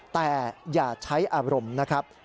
แต่อย่าใช้อารมณ์นะครับ